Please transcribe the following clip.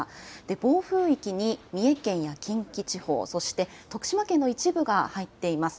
暴風域に三重県や近畿地方、そして徳島県の一部が入っています。